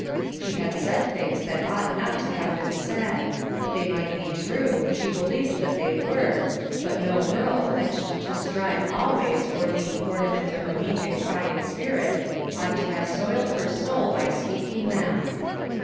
She had said things that ought not to have been said; they might be true,— she believed that they were,— but no girl pledged to strive always for the "ornament of a meek and quiet spirit" ought to have soiled her soul by speaking them.